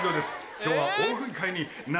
今日は。